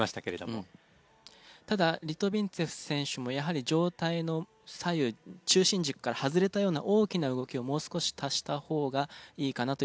ただリトビンツェフ選手もやはり上体の左右中心軸から外れたような大きな動きをもう少し足した方がいいかなという印象は受けましたね。